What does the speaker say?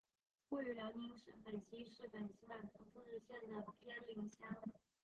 位于辽宁省本溪市本溪满族自治县偏岭乡。